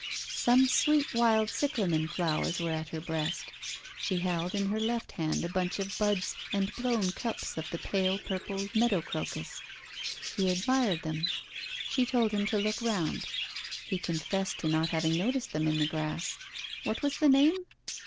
Some sweet wild cyclamen flowers were at her breast. She held in her left hand a bunch of buds and blown cups of the pale purple meadow crocus. He admired them. She told him to look round. He confessed to not having noticed them in the grass: what was the name?